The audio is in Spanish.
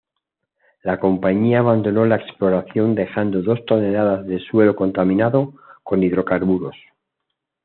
La compañía abandonó la exploración dejando dos toneladas de suelo contaminado con hidrocarburos.